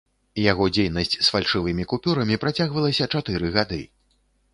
Яго дзейнасць з фальшывымі купюрамі працягвалася чатыры гады.